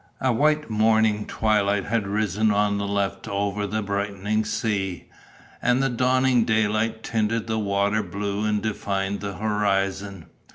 A white morning twilight had risen on the left over the brightening sea; and the dawning daylight tinted the water blue and defined the horizon.